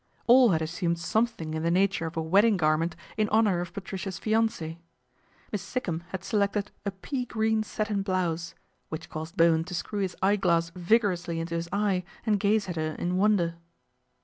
All had assumed some thing in the nature of a wedding garment in honour of Patricia's fiance. Miss Sikkum had selected a pea green satin blouse, which caused Bowen to screw his eyeglass vigorously into his eye and gaze at her in wonder.